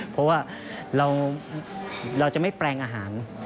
เพราะว่าเราจะไม่แปลงอาหาร